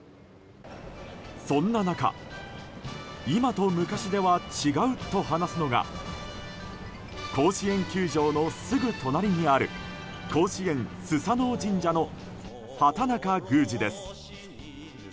そんな中今と昔では違うと話すのが甲子園球場のすぐ隣にある甲子園素戔嗚神社の畑中宮司です。